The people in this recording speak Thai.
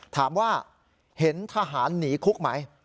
ถามว่าเห็นทหารหนีคุกไหม